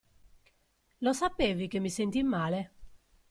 Lo sapevi che mi sentii male?